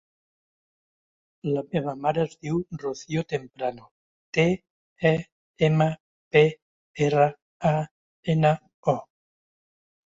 La meva mare es diu Rocío Temprano: te, e, ema, pe, erra, a, ena, o.